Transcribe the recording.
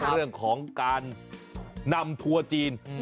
เรื่องของการนำทัวร์จีน